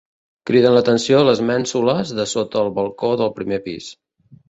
Criden l'atenció les mènsules de sota el balcó del primer pis.